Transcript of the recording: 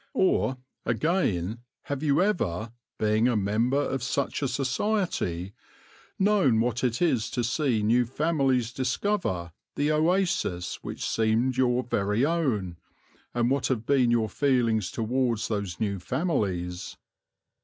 Or, again, have you ever, being a member of such a society, known what it is to see new families discover the oasis which seemed your very own, and what have been your feelings towards those new families?